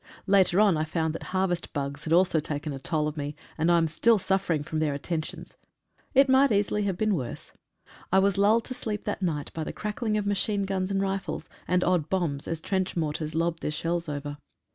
Later on I found that harvest bugs had also taken toll of me, and I am still suffering from their attentions — it might easily have been worse ! I was lulled to sleep that night by the crackling of machine guns and rifles, and odd bombs, as trench mortars lobbed their shells over.